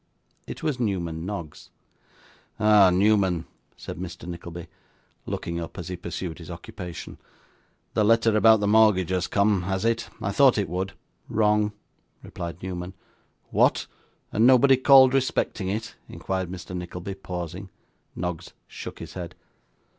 It was Newman Noggs. 'Ah! Newman,' said Mr. Nickleby, looking up as he pursued his occupation. 'The letter about the mortgage has come, has it? I thought it would.' 'Wrong,' replied Newman. 'What! and nobody called respecting it?' inquired Mr. Nickleby, pausing. Noggs shook his head.